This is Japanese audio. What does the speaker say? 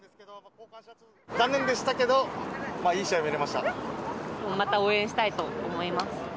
残念でしたけど、いい試合見また応援したいと思います。